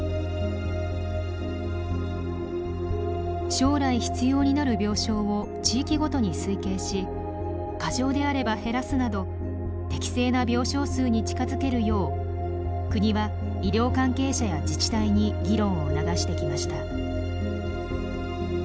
将来必要になる病床を地域ごとに推計し過剰であれば減らすなど適正な病床数に近づけるよう国は医療関係者や自治体に議論を促してきました。